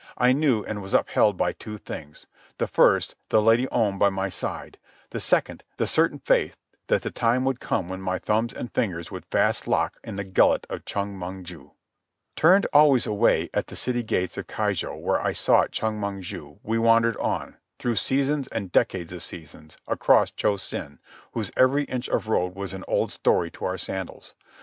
I knew and was upheld by two things: the first, the Lady Om by my side; the second, the certain faith that the time would come when my thumbs and fingers would fast lock in the gullet of Chong Mong ju. Turned always away at the city gates of Keijo, where I sought Chong Mong ju, we wandered on, through seasons and decades of seasons, across Cho Sen, whose every inch of road was an old story to our sandals.